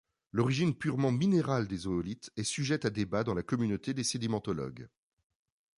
L'origine purement minérale des oolithes est sujette à débat dans la communauté des sédimentologues.